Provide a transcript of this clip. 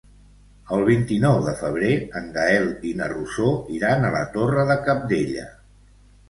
El vint-i-nou de febrer en Gaël i na Rosó iran a la Torre de Cabdella.